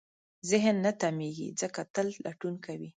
ذهن نه تمېږي، ځکه تل لټون کوي.